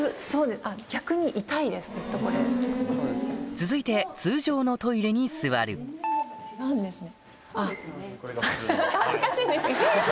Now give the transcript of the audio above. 続いて通常のトイレに座るそうですね。